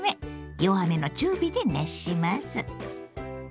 弱めの中火で熱します。